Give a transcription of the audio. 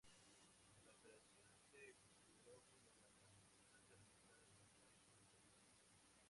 La operación se consideró como la más importante realizada en el país hasta entonces.